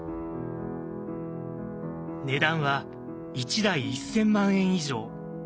値段は１台１，０００万円以上。